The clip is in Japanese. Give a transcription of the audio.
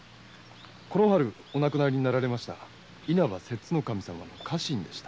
この春亡くなられた稲葉摂津守様の家臣でした。